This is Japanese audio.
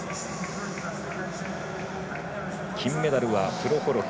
金メダルはプロホロフ。